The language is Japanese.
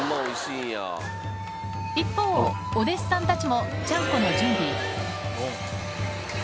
一方、お弟子さんたちもちゃんこの準備。